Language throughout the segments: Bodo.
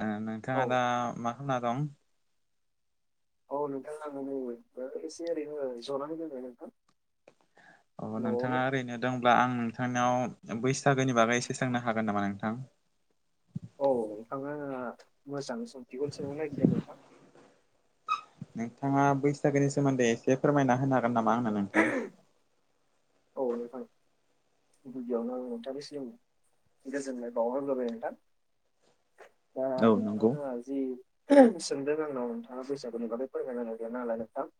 अ औ नोंथाङा दा मा खना दं? औ नोंथां आं नै एसे ओरैनो जनानै दोंङो नोंथां। अ न'आवनो नोंथाङा ओरैनो दंब्ला। आं नोंथांनियाव बैसागोनि बागै एसे स्रांनो हागोन नामा नोंथां? औ नोंथाङा मोजां सोंथिखौनो सोंनो नागिरदों नोंथां। नोंथाङा बैसागोनि सोमोन्दै एसे फोरमायना होनो हागोन नामा आंनो नोंथां। औ नोंथां गिबियावनो आं नोंथांसिम गोजोननाय बावहग्रोबाय नोंथां। दा औ नंगौ नोंथाङा जि सोंदों आंनाव नोंथाङा बैसागुनि बागै फोरमायननाय गैया नालाय नोंथां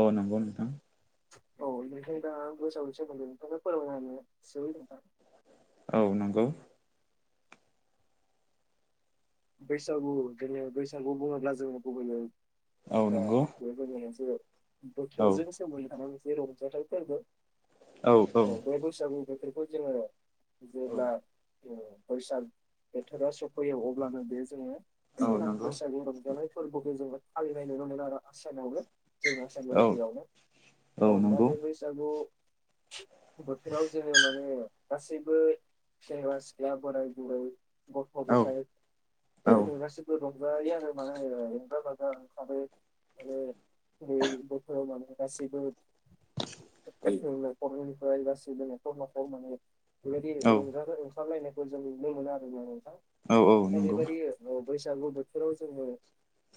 औ नंगौ नोंथां। औ बेनिफ्राय दा बैसागोनि सोमोनदै फोरमायना होनो सै औ नंगौ। बैसागु जों बैसागु बुङोब्ला जोङो गुबैयै औ नंगौ। जोंनिसे औ बोथोरजों सोम थानांग मोनसे रंजाथाइ फोरबो। औ बे बैसागु बेफोरखौ जोङो जेब्ला बैसाग बोथोरा सफैयो अब्लानो बे औ जोङो नंगौ बैसागु रंजानाय फोरबोखौ जों फालिनाय नुनो मोनो आरो आसामावबो जों आसाम औ रायआवनो औ दा बे बैसागु बोथोराव जोंङो माने गासैबो सेंग्रा सिख्ला बोराय बुरै गथ' औ गथाय औ गासिबो रंजायो आरो माने रोजा बिजि ओंखारो माने बे बोथोराव माने गासैबो नखर निफ्राय गासैबो नखर नखर माने बायदि औ रंजानाय [unintelligible] औ नंगौ ओरैबादि बैसागु बोथोराव जोंङो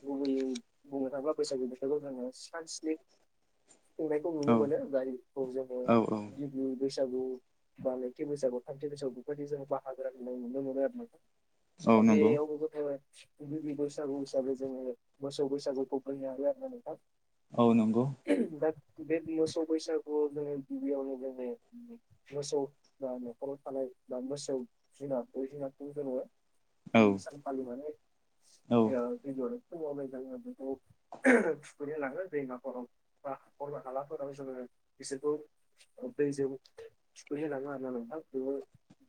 गुबैयै बुंनो थाङोबा बैसागु बोथोरखौ जोंङो सान स्नि सोंनायखौ औ नुनो मोनो गारिखौ जोङो औ दुइ बैसागु बा लोखि बैसागु थामथि बैसागु बेबायदि जोंङो बाहागोन होननाय नुनो मोनो आरो ना। औ आ नंगौ बेबो गथबाय। नैबि बैसागु हिसाबै जोङो मोसौ बैसागुखौ बो हायो आरो ना नोंथां औ नंगौ दा बे मोसौ बैसाागु जोङो गिबियावनो जोङो मोसौ न'खराव थानाय बा मोसौ जुनार बै जुनारखौ जोङो औ सानफालिलि माने औ [unintelligible] थुखैनो लाङो दैमाफोराव बा हाखर बा हालाफोराव जोङो बिसोरखौ दैजों थुखैनो लाङो आरो नोंथां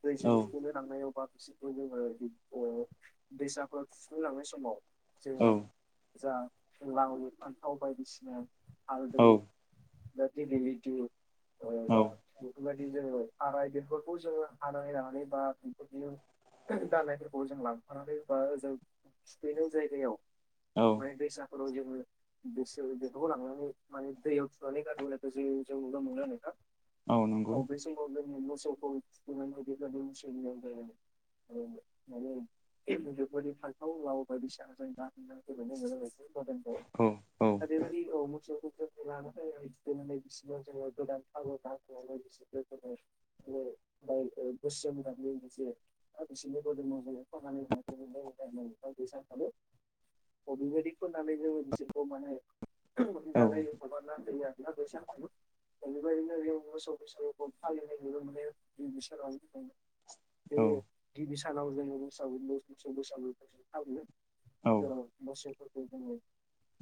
दैजों औ थुखैनो लांनायाव बा बिसोरखौ जोङो बि दैसाफोर थुखैनो लांनाय समाव औ जोङो जा लाव फान्थाव बायदिसिना हाल औ बा दिगिलिति ओ बा बेफोरबादि जोङो थाराइ बेफोरखौ जोङो हानानै लानानै बा [unintelligible] दालानायफोरखौ जों लांफानानै बा जों थुखैनो जायगायाव औ माने दैसाफोराव जोङो बेसे बेखौ लांनानै माने दैयाव थुनानै गारबोनाय जों नुनो मोनो नोंथां औ बे [unintelligible] [unintelligible] [unintelligible] औ औ दा बे बादि औ मोसौ [unintelligible] [unintelligible] [unintelligible] अ बिबादि फोनानै जों बिसोरखौ माने औ [unintelligible] दा बेबायदिनो बेयाव मोसौ बैसागुखौ फालिनायखौबो माने गिबि सानाव औ गिबि सानाव जोङो बोसागु मस बोसागु थाबनो जेराव दसेफोरखौ जोंयो।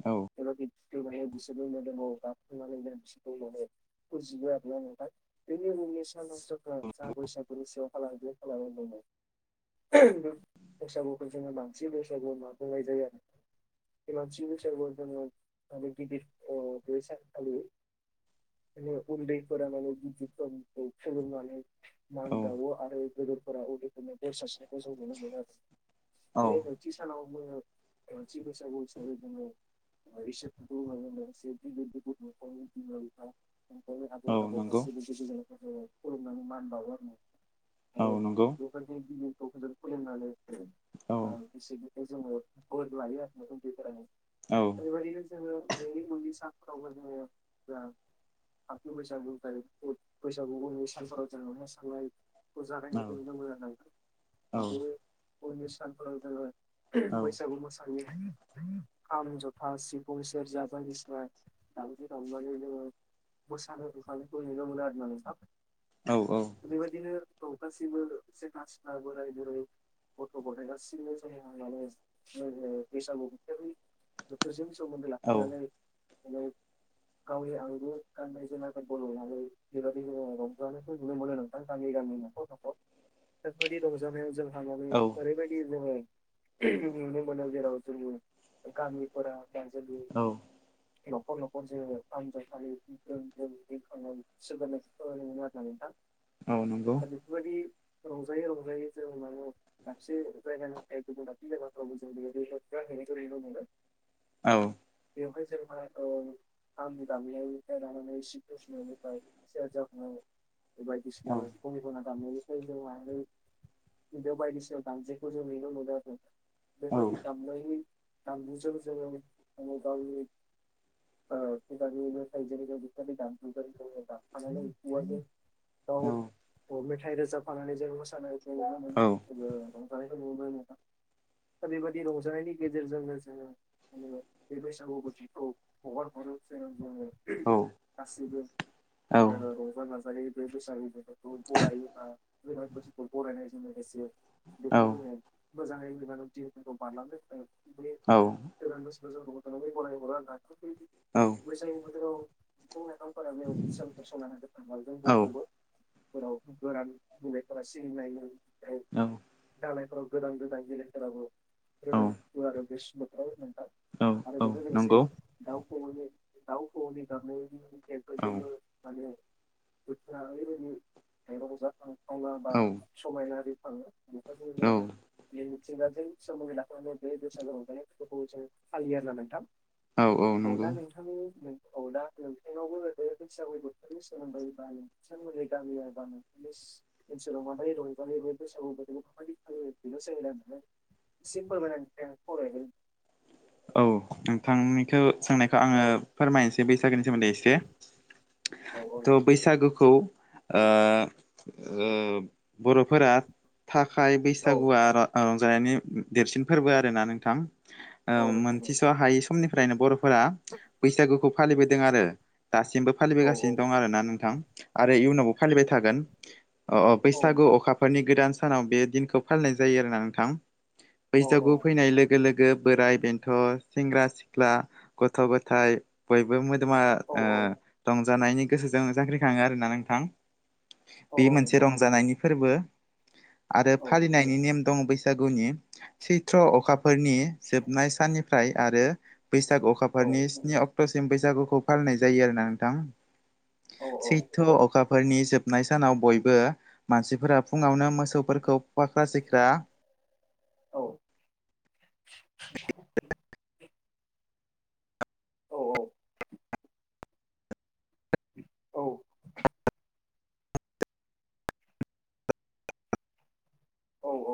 औ। एरभिन बिफोर माने बिसोरबो मोदोमायोब्ला बिफोर माने मोनदांथिखौ माने इखौ जियो आरोना नोंथां बिनि मुंनिस थान नस्थ'फोर थार बैसागुनि सिंआव खालाय बे खालामनो उहुम बैसागुखौ जोङो बांसिन बैसागु माखौराय जायो आरो। बे मानसिनि बैसागुआव जोंयो ओ बिदिर ओ बेसानखालि माने उन्दैफोरा माने बिजिर फोरनिफ्राय सोलोंनानै मान‌ औ बावो आरो गोदोरफोरा उनदै फोरनो बोर औ सारस्रिनाय [unintelligible] थि सानावबो थि बैसागो हिसाबै जोङो [unintelligible] [unintelligible] खुलुमनानै औ नंगौ मान बावो औ नंगौ औ [unintelligible] [unintelligible] बोर लायो औ बेबायदिनो जोङो दैमुनि साफ्रावयो आरो जोङो गोरान थामथि बैसागुनि फ्राय रै मुङै फैसागुबावलुस सान फालावयारजों ननि मानसि साननाय औ जागायनायखौ नुनो मोयोनायै। औ मोनद ओयद उननि सानफोराव जोङो उहुम बैसागु मोसाना आंनि खाम जथा सिफुं सेर्जा बादिसिना। दावजो दावलानि जोंयो मोसानो बिफांनिखौ नुनो मोनो आरोना नोंथां। औ औ। बेबायदिनो औ गासिबो जेंहास-सिख्ला बोराय बुरै गथ' गथाय गासिबबो जोंहा माने लोगो बैसागु बोथोरनि बोथोरजों सोमोन्दो औ लाखिनानै दिनै गावनि आंगो गाननाय जोमनाय बायद बल आव नै जिल्ला बे जिउआव रंजानायखौ नुनो मोनो नोंथां गामि गामि नो। बेफोरबायदि रंजानायाव जोंहाननि ओरैबायदि जोङो उहुम नुनोमोन जेराव जोंयो गामिफोरा बानजालु औ न'खर न'खर जोंयो फानजयखालि उ ओं गोम रिंखांनायनि सोमोनां औ नोंगौ आरोना नोंथां। औ नंगौ। दा बेफोरबायदि रंजायै रंजायै जों होननानै। दाबसे जायगानिफ्राइ गुबुन दाबसे जायगाफ्रावबो जों नुयोदि जोंफ्राय हैनायखौ ओरैनो नुनो औ। बेवहाय जेनबा औ। आंनि गामियावनिफ्राय लानानै सिमब्रे सिउननिफ्राय सियार जाखांनाय बायदिसिना बिफं निग नाजाम ननिफ्राइ। औ आनै जों बेयाव बायदिसिना दामजेखखौ जों नुयनो मोनो आरो। औ नंगौ औ बेबायदि दामजायै दामलुजों जोंयो मजांलि औ बिबायदिनो जों जेरैबो बिफोरलि दामजु जेरै रिंखावलायनाय दामफाननानै बेवायजों औ अ मेथाइ रोजाबफानानै जों मोसानायखौ नु मोनो। जोंयो रंजानायखौ नुनो मोना दा बेबायदि रंजानायनि गेजेरजोंनो जोंयो आंनो नाङा बे बैसागु बोथिखौ हगार हरो जेराव जोंयो औ। गासिबबो ओयो रंजा गाजायै बे बैसागु बोथोरखौ बरायोना। गोदान बोसोरखौ बरायनायजों लोगोसे उ औ। जोंयो मोजाङै उलिमानद दि दमफारलांनो जोंयो उथुमे औ गोदान मानसि जों गलाथ बैसायोाव बिफां लाइफां खालामनाय अजानफोर सनानै होाग थाल जों बयखौबोफोराव गोरान बुंनायफोरा सिबिनाय दालानायफोराव गोदान गोदान गेलेफोराबो [unintelligible] [unintelligible] दाउ फ दाउ [unintelligible] [unintelligible] [unintelligible] औ बोथोरा ओरैबाय [unintelligible] बा औ समायना रिंखांङो [unintelligible] मिथिंगाजै सोमोनायना फरा मेद बे दोरसाननावहाय माने उहु गुरसे फालियो आरोना नोंथां औ नंगौ दा नों नोंथांनि प्लैद औना नों हेंयावबो होदे बैससागु बोथोरनि सोमोन्दै बायो बिथांमोननि गामि गामि बेस ओनसोलाव माबाय रंबानाय बे बैसागु बोदोनखौ फालि फालियो बिनो सोमो नांफ्राय। सिम फोरमायनाय नोंथां खावलायहरनाय औ नोंथांनिखौ सोंनायखौ आङो औ फोरमायनोसै बैसागोनि सोमोन्दै एसे। औ थ' बैसागुखौ ओयो ओयो बर'फोरा थाखाय औ बैसागुआ र ओ रंजानायनि देरसिन फोरबो आर ना नोंथां। ओ औ नोंथां मोनथिस' हायै समनिफ्रायनो बर'फोरा बैसागुखौ फालिबोदों आरो। दासिमबो औ औ फालिबोगासिनो दं आरो ना नोंथां आरो इयुनावबो फालिबाय थागोन। अ अ औ बैसागु अखाफोरनि गोदान सानाव बे दिनखौ फालिनाय जायो आरोना नोंथां। औ बैसागु फैनाय लोगो लोगो बोराइ बेन्थ' सेंग्रा सिख्ला गथ' गथाय बयबो मोदोमा औ ओ औ। रंजानायनि गोसोजों जांख्रि खाङो आरोना नोंथां औ बे औ मोनसे नंगौ रंजानायनि फोरबो आरो औ फालिनायनि नेम दं बैसागुनि चैत्र अखाफोरनि जोबनाय साननिफ्राय आरो बैसागु अखाफोरनि औ स्नि अक्ट'सिम बैसागुखौ फालिनाय जायो आरोोना नोंथां। औ औ सैथ' अखाफोरनि जोब हाबनाय सानाव बयबो मानसिफोरा फुङावनो मोसौफोरखौ फाख्रा सिख्रा औ। औ औ। औ। औ औ।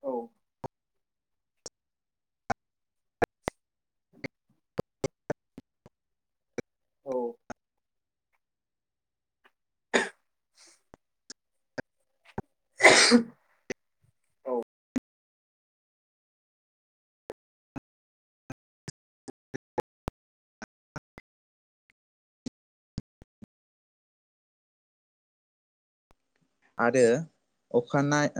औ। औ। औ। आरो अखानाय